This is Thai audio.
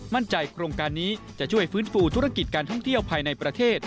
โครงการนี้จะช่วยฟื้นฟูธุรกิจการท่องเที่ยวภายในประเทศ